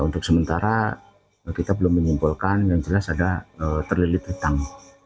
untuk sementara kita belum menyimpulkan yang jelas ada terlilit hutang